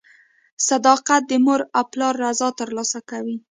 • صداقت د مور او پلار رضا ترلاسه کوي.